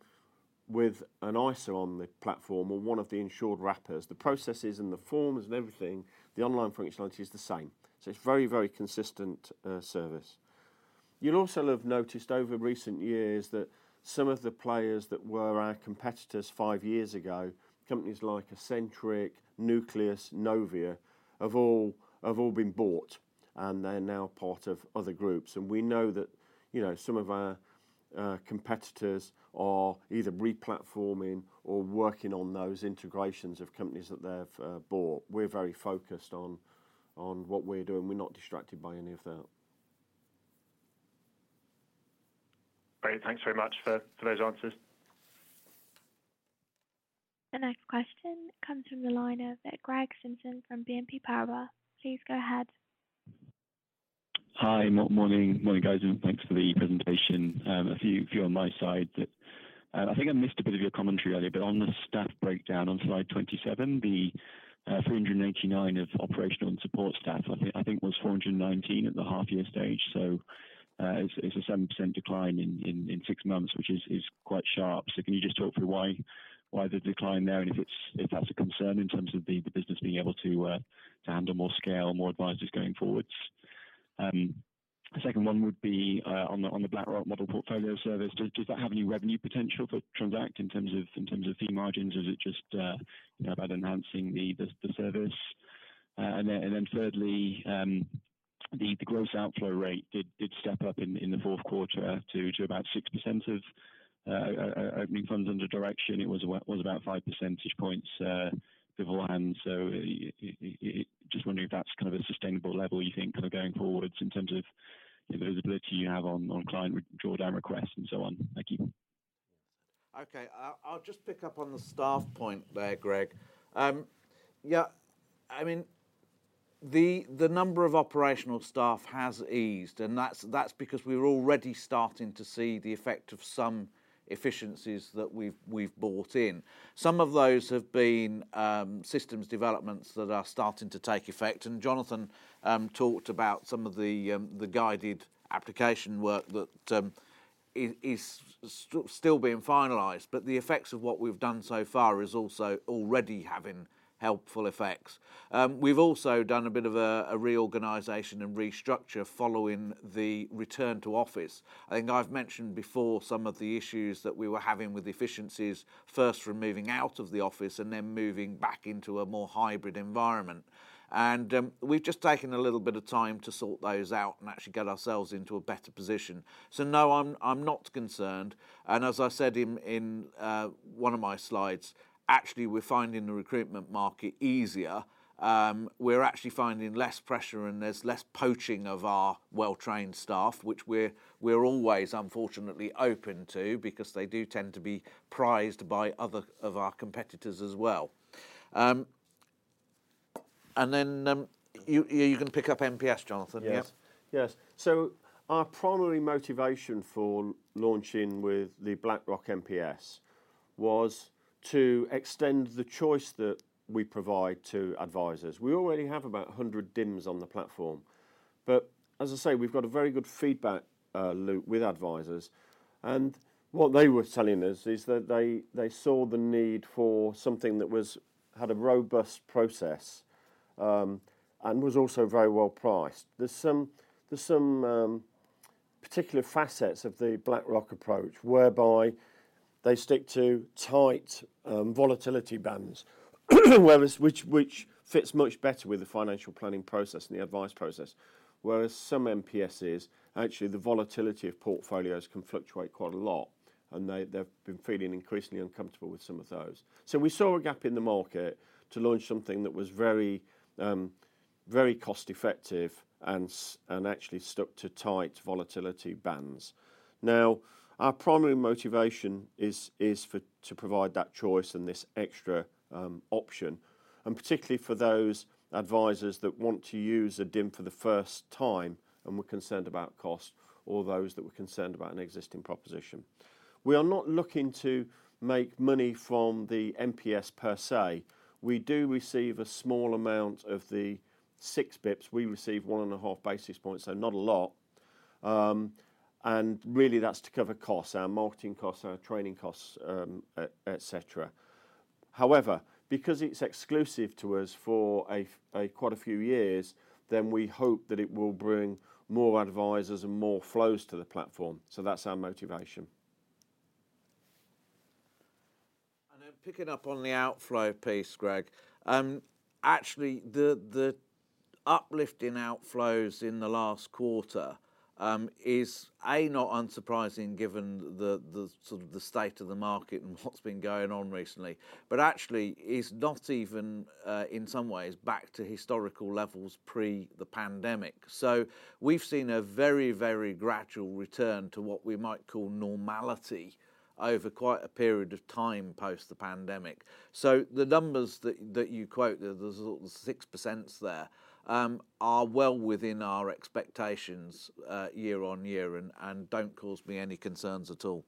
with an ISA on the platform or one of the insured wrappers, the processes and the forms and everything, the online functionality is the same. It's very, very consistent service. You'll also have noticed over recent years that some of the players that were our competitors five years ago, companies like Embark, Nucleus, Novia, have all been bought, and they're now part of other groups. We know that, you know, some of our competitors are either re-platforming or working on those integrations of companies that they've bought. We're very focused on what we're doing. We're not distracted by any of that. Great. Thanks very much for those answers. The next question comes from the line of Greg Simpson from BNP Paribas. Please go ahead. Hi. Morning. Morning, guys, thanks for the presentation. A few on my side that I think I missed a bit of your commentary earlier, but on the staff breakdown on slide 27, the 389 of operational and support staff was 419 at the half year stage. It's a 7% decline in six months, which is quite sharp. Can you just talk through why the decline there and if that's a concern in terms of the business being able to handle more scale, more advisors going forwards? The second one would be on the BlackRock model portfolio service. Does that have any revenue potential for Transact in terms of fee margins? Is it just, you know, about enhancing the service? And then thirdly, the gross outflow rate did step up in the fourth quarter to about 6% of opening funds under direction. It was about 5 percentage points beforehand. It... Just wondering if that's kind of a sustainable level you think kind of going forwards in terms of the visibility you have on client drawdown requests and so on. Thank you. Okay. I'll just pick up on the staff point there, Greg. Yeah, I mean, the number of operational staff has eased, and that's because we're already starting to see the effect of some efficiencies that we've brought in. Some of those have been, systems developments that are starting to take effect, and Jonathan talked about some of the guided application work that is still being finalized. The effects of what we've done so far is also already having helpful effects. We've also done a bit of a reorganization and restructure following the return to office. I think I've mentioned before some of the issues that we were having with efficiencies first from moving out of the office and then moving back into a more hybrid environment. We've just taken a little bit of time to sort those out and actually get ourselves into a better position. No, I'm not concerned, and as I said in one of my slides, actually we're finding the recruitment market easier. We're actually finding less pressure, and there's less poaching of our well-trained staff, which we're always unfortunately open to because they do tend to be prized by other of our competitors as well. Then, you can pick up MPS, Jonathan. Yep. Yes. Yes. Our primary motivation for launching with the BlackRock MPS was to extend the choice that we provide to advisors. We already have about 100 DIMs on the platform. As I say, we've got a very good feedback loop with advisors. What they were telling us is that they saw the need for something that had a robust process and was also very well priced. There's some particular facets of the BlackRock approach whereby they stick to tight volatility bands, whereas which fits much better with the financial planning process and the advice process. Whereas some MPSs, actually the volatility of portfolios can fluctuate quite a lot, and they've been feeling increasingly uncomfortable with some of those. We saw a gap in the market to launch something that was very, very cost-effective and actually stuck to tight volatility bands. Our primary motivation is for, to provide that choice and this extra option, and particularly for those advisors that want to use a DIM for the first time and were concerned about cost or those that were concerned about an existing proposition. We are not looking to make money from the MPS per se. We do receive a small amount of the 6 bips. We receive 1.5 basis points, so not a lot. And really that's to cover costs, our marketing costs, our training costs, et cetera. Because it's exclusive to us for a quite a few years, we hope that it will bring more advisors and more flows to the platform. That's our motivation. Picking up on the outflow piece, Greg, actually the uplift in outflows in the last quarter, is, A, not unsurprising given the sort of the state of the market and what's been going on recently. Actually is not even, in some ways back to historical levels pre the pandemic. We've seen a very, very gradual return to what we might call normality over quite a period of time post the pandemic. The numbers that you quote, the sort of 6% there, are well within our expectations, year-on-year and don't cause me any concerns at all.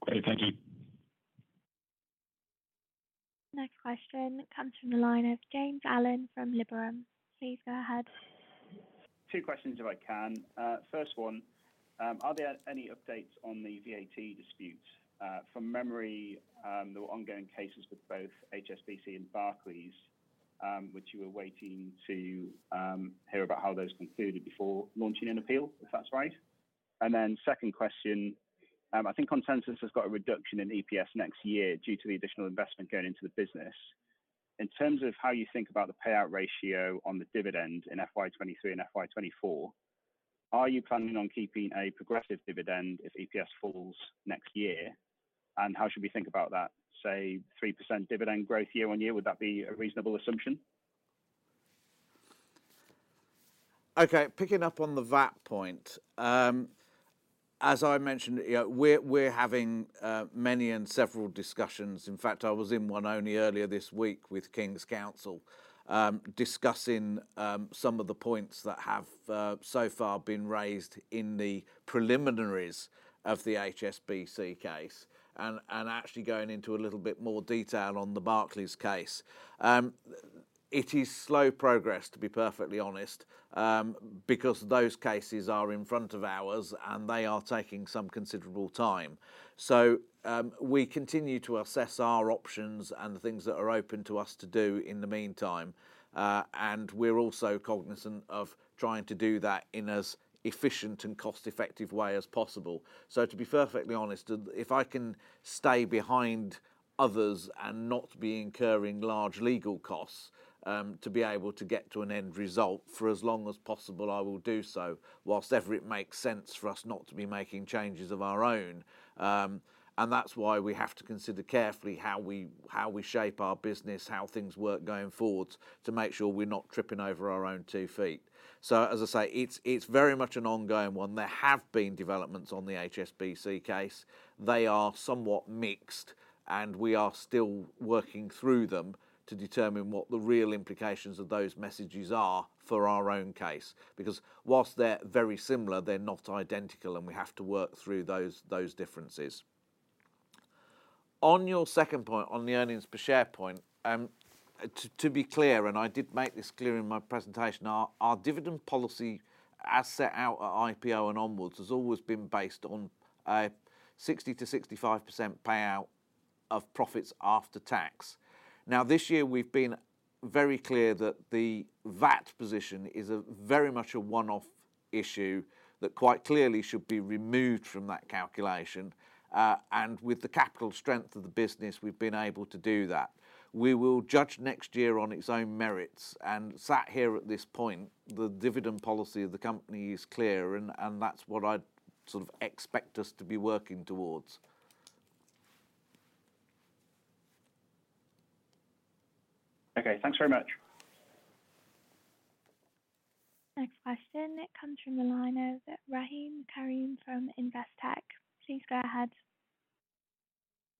Great. Thank you. Next question comes from the line of James Allen from Liberum. Please go ahead. Two questions if I can. First one, are there any updates on the VAT dispute? From memory, there were ongoing cases with both HSBC and Barclays, which you were waiting to hear about how those concluded before launching an appeal, if that's right? Second question, I think consensus has got a reduction in EPS next year due to the additional investment going into the business. In terms of how you think about the payout ratio on the dividend in FY 2023 and FY 2024, are you planning on keeping a progressive dividend if EPS falls next year? How should we think about that, say, 3% dividend growth year-on-year? Would that be a reasonable assumption? Okay, picking up on the VAT point. As I mentioned, you know, we're having many and several discussions. In fact, I was in one only earlier this week with King's Counsel, discussing some of the points that have so far been raised in the preliminaries of the HSBC case and actually going into a little bit more detail on the Barclays case. It is slow progress, to be perfectly honest, because those cases are in front of ours, and they are taking some considerable time. We continue to assess our options and the things that are open to us to do in the meantime. We're also cognizant of trying to do that in as efficient and cost-effective way as possible. To be perfectly honest, if I can stay behind others and not be incurring large legal costs, to be able to get to an end result for as long as possible, I will do so, whilst ever it makes sense for us not to be making changes of our own. That's why we have to consider carefully how we, how we shape our business, how things work going forward to make sure we're not tripping over our own two feet. As I say, it's very much an ongoing one. There have been developments on the HSBC case. They are somewhat mixed, and we are still working through them to determine what the real implications of those messages are for our own case. Whilst they're very similar, they're not identical, and we have to work through those differences. On your second point, on the earnings per share point, to be clear, and I did make this clear in my presentation, our dividend policy as set out at IPO and onwards, has always been based on a 60%-65% payout of profits after tax. This year we've been very clear that the VAT position is a very much a one-off issue that quite clearly should be removed from that calculation. With the capital strength of the business, we've been able to do that. We will judge next year on its own merits. Sat here at this point, the dividend policy of the company is clear, and that's what I'd sort of expect us to be working towards. Okay. Thanks very much. Next question. It comes from the line of Rahim Karim from Investec. Please go ahead.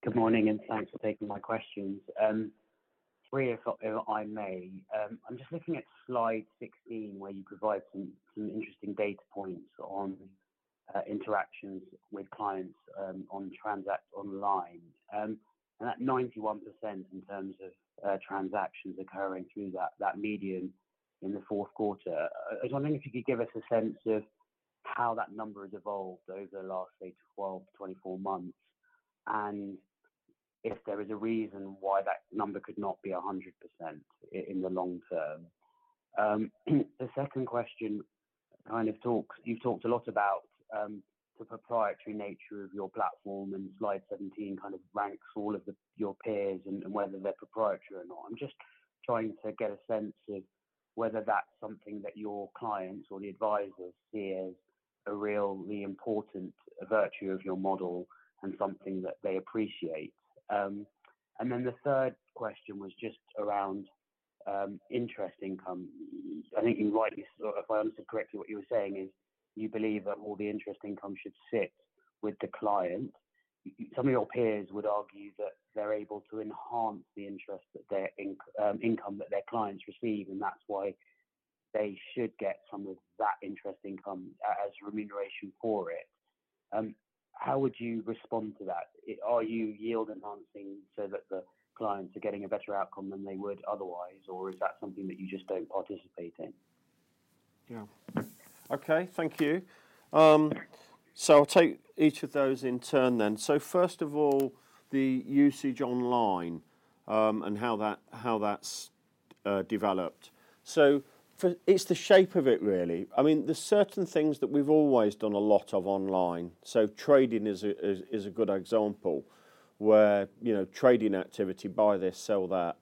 Good morning. Thanks for taking my questions. 3, if I may. I'm just looking at slide 16 where you provide some interesting data points on interactions with clients on Transact Online. That 91% in terms of transactions occurring through that medium in the fourth quarter. I was wondering if you could give us a sense of how that number has evolved over the last, say, 12 to 24 months, and if there is a reason why that number could not be 100% in the long term. The second question. You talked a lot about the proprietary nature of your platform, and slide 17 kind of ranks all of your peers and whether they're proprietary or not. I'm just trying to get a sense of whether that's something that your clients or the advisors see as a really important virtue of your model and something that they appreciate. The third question was just around interest income. If I understood correctly, what you were saying is you believe that all the interest income should sit with the client. Some of your peers would argue that they're able to enhance the interest that their income that their clients receive and that's why they should get some of that interest income as remuneration for it. How would you respond to that? Are you yield enhancing so that the clients are getting a better outcome than they would otherwise, or is that something that you just don't participate in? Yeah. Okay. Thank you. I'll take each of those in turn then. First of all, the usage online, and how that's developed. It's the shape of it really. I mean, there's certain things that we've always done a lot of online. Trading is a good example where, you know, trading activity, buy this, sell that,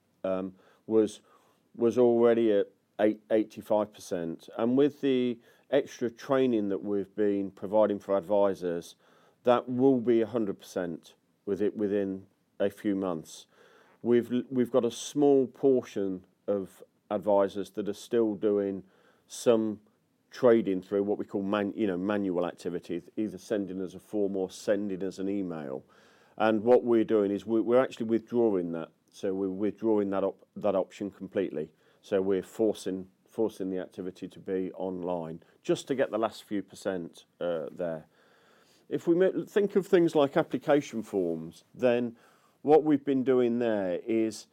was already at 85%. With the extra training that we've been providing for advisors, that will be 100% within a few months. We've got a small portion of advisors that are still doing some trading through what we call, you know, manual activities, either send in as a form or send in as an email. What we're doing is we're actually withdrawing that. We're withdrawing that option completely. We're forcing the activity to be online just to get the last few % there. If we think of things like application forms, then what we've been doing there is,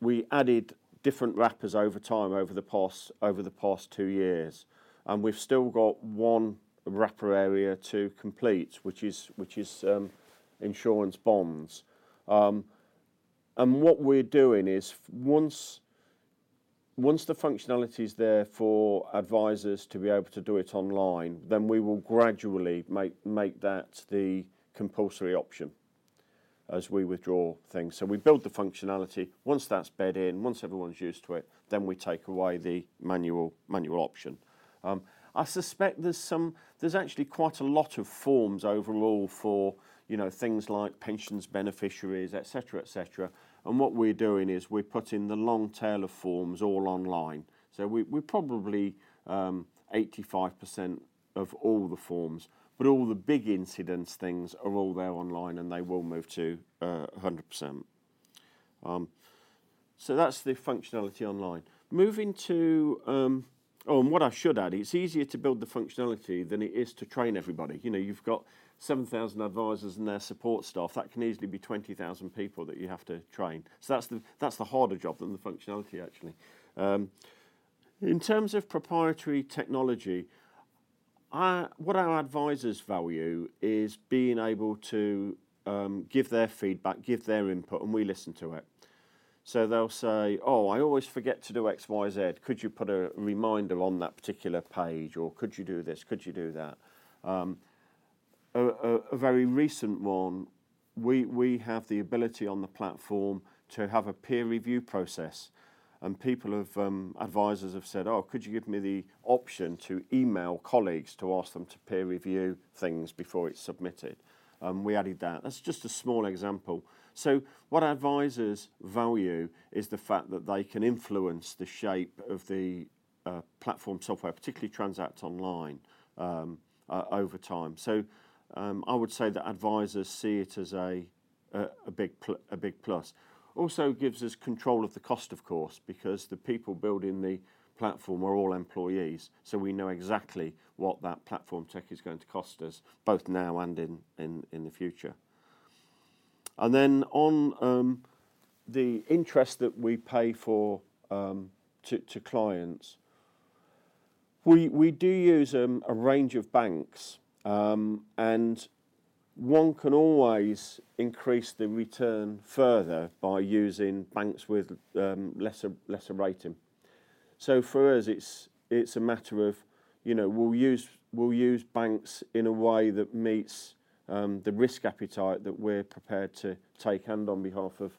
we added different wrappers over time, over the past, over the past 2 years, and we've still got one wrapper area to complete, which is insurance bonds. What we're doing is once the functionality is there for advisors to be able to do it online, then we will gradually make that the compulsory option as we withdraw things. We build the functionality. Once that's bed in, once everyone's used to it, then we take away the manual option. I suspect there's actually quite a lot of forms overall for, you know, things like pensions, beneficiaries, et cetera, et cetera. What we're doing is we're putting the long tail of forms all online. We're probably 85% of all the forms. All the big incidence things are all there online, and they will move to 100%. That's the functionality online. Moving to... What I should add, it's easier to build the functionality than it is to train everybody. You know, you've got 7,000 advisers and their support staff. That can easily be 20,000 people that you have to train. That's the harder job than the functionality actually. In terms of proprietary technology, what our advisers value is being able to give their feedback, give their input, and we listen to it. They'll say, "I always forget to do X, Y, Z. Could you put a reminder on that particular page?" Or, "Could you do this? Could you do that?" A very recent one, we have the ability on the platform to have a peer review process, and people have, advisors have said, "Oh, could you give me the option to email colleagues to ask them to peer review things before it's submitted?" We added that. That's just a small example. What our advisors value is the fact that they can influence the shape of the platform software, particularly Transact Online, over time. I would say that advisors see it as a big plus. Also gives us control of the cost, of course, because the people building the platform are all employees, so we know exactly what that platform tech is going to cost us, both now and in the future. Then on the interest that we pay for to clients. We do use a range of banks, and one can always increase the return further by using banks with lesser rating. For us, it's a matter of, you know, we'll use banks in a way that meets the risk appetite that we're prepared to take and on behalf of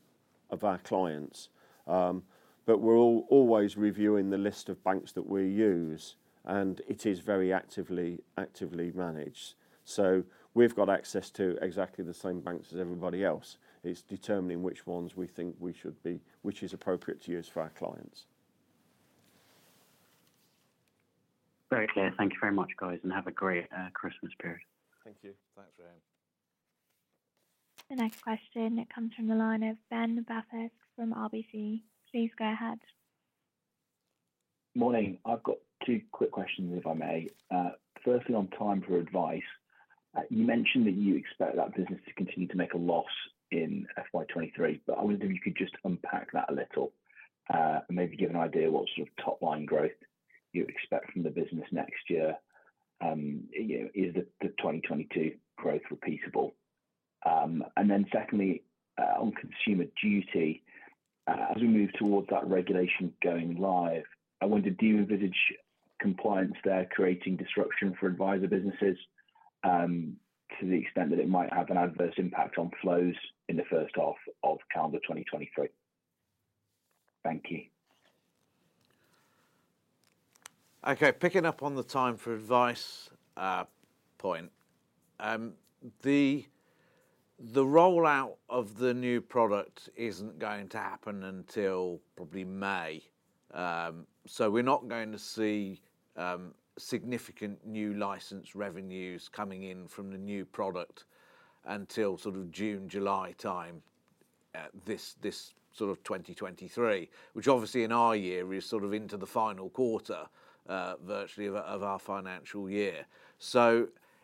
our clients. We're always reviewing the list of banks that we use, and it is very actively managed. We've got access to exactly the same banks as everybody else. It's determining which ones we think we should be... which is appropriate to use for our clients. Very clear. Thank you very much, guys, and have a great Christmas period. Thank you. Thanks, Graham. The next question, it comes from the line of Ben Bathurst from RBC. Please go ahead. Morning. I've got two quick questions, if I may. Firstly, on Time4Advice, you mentioned that you expect that business to continue to make a loss in FY 2023, I wonder if you could just unpack that a little and maybe give an idea what sort of top-line growth you expect from the business next year. You know, is the 2022 growth repeatable? Secondly, on Consumer Duty, as we move towards that regulation going live, I wonder, do you envisage compliance there creating disruption for advisor businesses, to the extent that it might have an adverse impact on flows in the first half of calendar 2023? Thank you. Okay. Picking up on the Time4Advice point, the rollout of the new product isn't going to happen until probably May. We're not going to see significant new license revenues coming in from the new product until sort of June, July time, sort of 2023, which obviously in our year is sort of into the final quarter virtually of our financial year.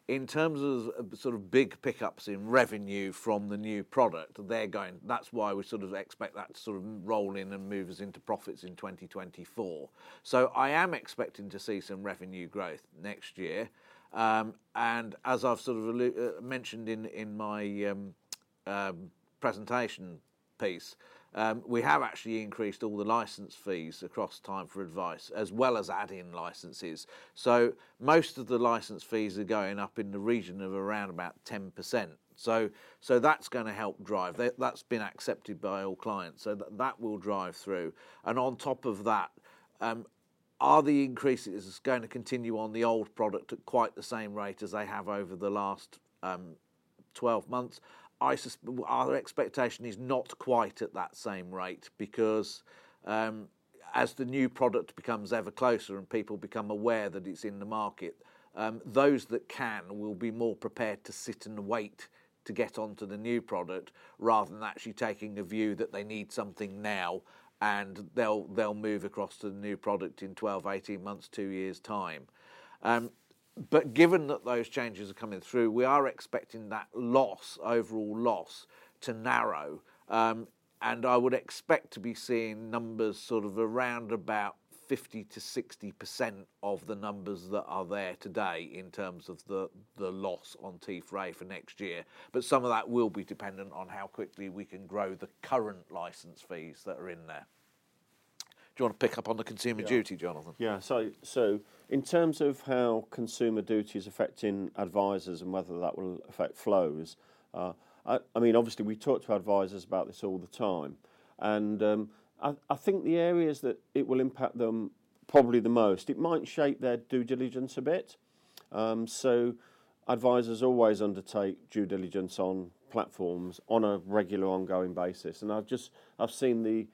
In terms of sort of big pickups in revenue from the new product, that's why we sort of expect that to sort of roll in and move us into profits in 2024. I am expecting to see some revenue growth next year. As I've sort of mentioned in my presentation piece, we have actually increased all the license fees across Time4Advice, as well as add-in licenses. Most of the license fees are going up in the region of around about 10%. That's gonna help drive. That's been accepted by all clients, so that will drive through. On top of that, are the increases gonna continue on the old product at quite the same rate as they have over the last 12 months? Our expectation is not quite at that same rate because, as the new product becomes ever closer and people become aware that it's in the market, those that can will be more prepared to sit and wait to get onto the new product rather than actually taking the view that they need something now, and they'll move across to the new product in 12, 18 months, two years' time. Given that those changes are coming through, we are expecting that loss, overall loss to narrow. And I would expect to be seeing numbers sort of around about 50% to 60% of the numbers that are there today in terms of the loss on Time4Advice for next year. Some of that will be dependent on how quickly we can grow the current license fees that are in there. Do you want to pick up on the Consumer Duty, Jonathan? Yeah. In terms of how Consumer Duty is affecting advisors and whether that will affect flows, I mean, obviously we talk to advisors about this all the time, and I think the areas that it will impact them probably the most, it might shape their due diligence a bit. Advisors always undertake due diligence on platforms on a regular ongoing basis. I've seen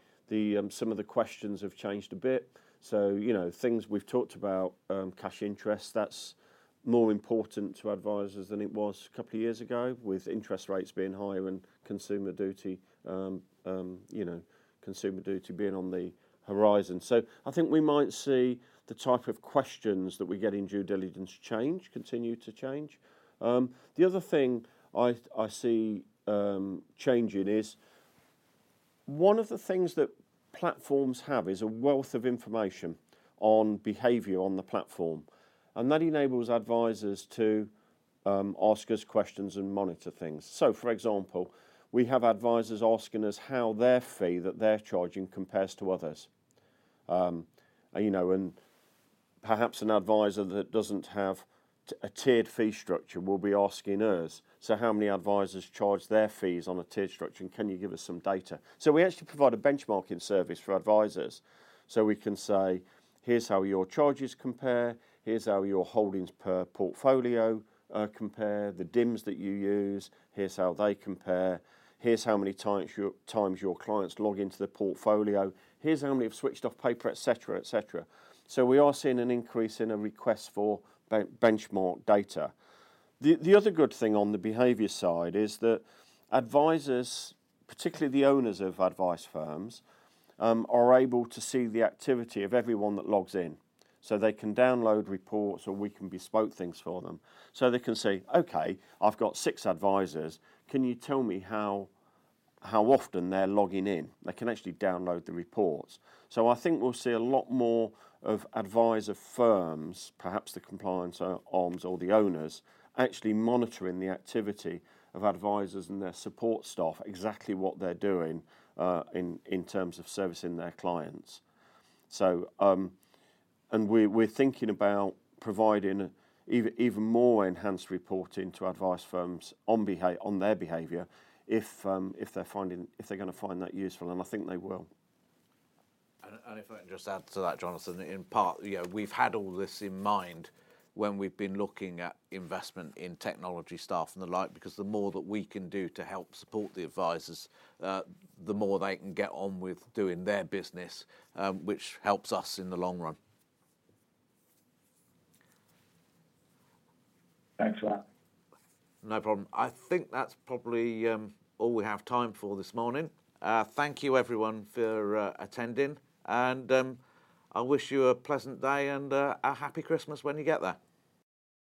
some of the questions have changed a bit. You know, things we've talked about, cash interest, that's more important to advisors than it was a couple of years ago, with interest rates being higher and Consumer Duty, you know, Consumer Duty being on the horizon. I think we might see the type of questions that we get in due diligence change, continue to change. The other thing I see changing is one of the things that platforms have is a wealth of information on behavior on the platform, and that enables advisors to ask us questions and monitor things. For example, we have advisors asking us how their fee that they're charging compares to others. You know, and perhaps an advisor that doesn't have a tiered fee structure will be asking us, "How many advisors charge their fees on a tiered structure, and can you give us some data?" We actually provide a benchmarking service for advisors, so we can say, "Here's how your charges compare. Here's how your holdings per portfolio compare. The DIMs that you use, here's how they compare. Here's how many times your clients log into the portfolio. Here's how many have switched off paper," et cetera, et cetera. We are seeing an increase in a request for benchmark data. The other good thing on the behavior side is that advisors, particularly the owners of advice firms, are able to see the activity of everyone that logs in. They can download reports or we can bespoke things for them. They can say, "Okay, I've got six advisors. Can you tell me how often they're logging in?" They can actually download the reports. I think we'll see a lot more of advisor firms, perhaps the compliance arms or the owners, actually monitoring the activity of advisors and their support staff, exactly what they're doing in terms of servicing their clients. We're thinking about providing even more enhanced reporting to advice firms on their behavior if they're gonna find that useful, and I think they will. If I can just add to that, Jonathan, in part, you know, we've had all this in mind when we've been looking at investment in technology staff and the like, because the more that we can do to help support the advisors, the more they can get on with doing their business, which helps us in the long run. Thanks for that. No problem. I think that's probably all we have time for this morning. Thank you everyone for attending. I wish you a pleasant day and a happy Christmas when you get there.